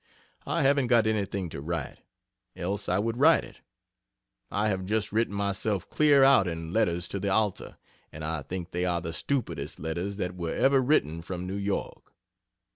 I haven't got anything to write, else I would write it. I have just written myself clear out in letters to the Alta, and I think they are the stupidest letters that were ever written from New York.